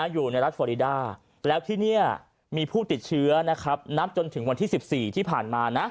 อยู่ในรัฐฟอริดาแล้วที่นี่มีผู้ติดเชื้อนะครับนับจนถึงวันที่๑๔ที่ผ่านมานะ